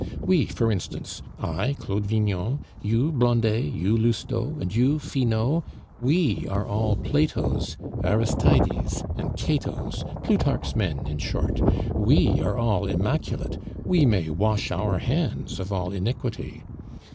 We, for instance I, Claude Vignon; you, Blondet; you, Lousteau; and you, Finot we are all Platos, Aristides, and Catos, Plutarch's men, in short; we are all immaculate; we may wash our hands of all iniquity.